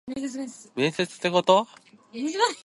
飼い主に似るって言うけど、わたしに似たんじゃないよね？